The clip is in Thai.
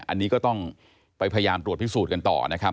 อันนี้ก็ต้องไปพยายามตรวจพิสูจน์กันต่อนะครับ